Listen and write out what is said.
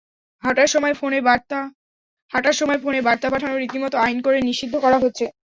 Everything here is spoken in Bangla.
হাঁটার সময় ফোনে বার্তা পাঠানো রীতিমতো আইন করে নিষিদ্ধ করা হচ্ছে।